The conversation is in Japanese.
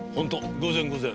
偶然偶然。